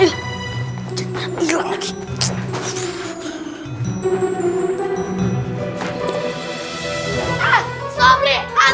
o emang kenapa